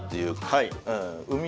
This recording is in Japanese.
はい。